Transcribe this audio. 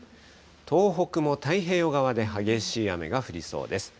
東北も太平洋側で激しい雨が降りそうです。